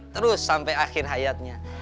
terus sampai akhir hayatnya